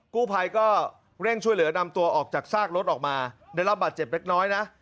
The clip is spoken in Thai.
กู้ภัยก็เร่งช่วยเหลือนำตัวออกจากซากรถออกมาได้รับบาดเจ็บเล็กน้อยนะ